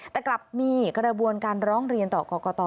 แต่กลับมีกระบวนการร้องเรียนต่อกรกต